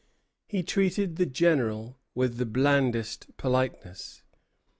He treated the General with the blandest politeness.